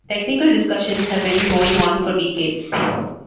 Technical discussions have been going on for decades.